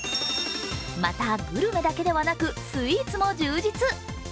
またグルメだけではなくスイーツも充実。